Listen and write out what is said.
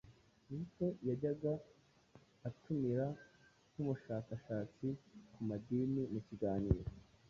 Kizito yajyaga atumira nk'umushakashatsi ku madini mu kiganiro